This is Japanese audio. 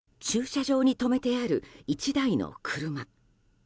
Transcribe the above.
駐車場に止めてある１台の車。